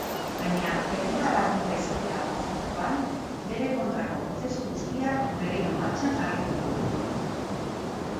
Baina herritar arrunta izatera pasatakoan bere kontrako prozesu guztiak berriro martxan jarriko dira.